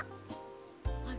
あれ？